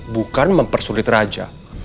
bukan mempersulit raja